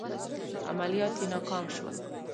عملیات یې ناکام شول.